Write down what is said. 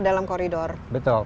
yang memerlukan perhatian khusus